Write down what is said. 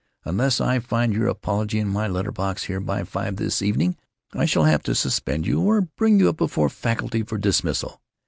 Unless I find your apology in my letter box here by five this evening I shall have to suspend you or bring you up before the faculty for dismissal.